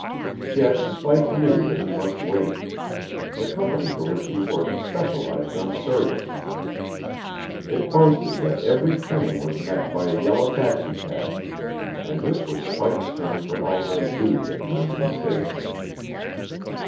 Yet Spike knew that he must wait. The company for which he worked specialized on service. It boasted that every train was met by a yellow taxicab and this was Spike's turn for all night duty at the Union Station.